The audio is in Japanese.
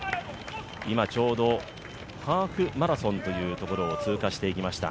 今、ちょうどハーフマラソンというところを通過していきました。